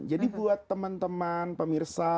jadi buat teman teman pemirsa